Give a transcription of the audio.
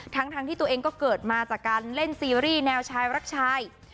ทั้งที่ตัวเองก็เกิดมาจากการเล่นซีรีส์แนวชายรักชาย